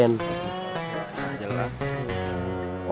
jelaskan aja lah